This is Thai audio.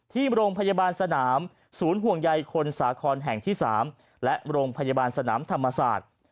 ที่โรงพยาบาลสนามศูนย์ห่วงใยคนสาครแห่งที่๓และโรงพยาบาลสนามธรรมศาสตร์